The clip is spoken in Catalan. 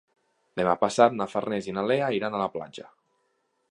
Demà passat na Farners i na Lea iran a la platja.